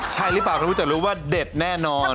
ใช่หรือเปล่าก็รู้แต่รู้ว่าเด็ดแน่นอน